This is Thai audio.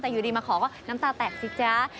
แต่อยู่ดีมาขอก็น้ำตาแตกสิจ๊ะ